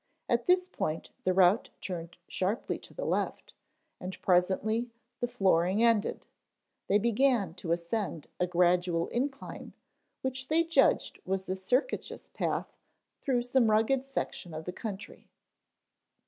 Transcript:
At this point the route turned sharply to the left and presently the flooring ended; they began to ascend a gradual incline which they judged was a circuitous path through some rugged section of the country.